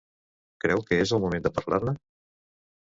Creu que és el moment de parlar-ne?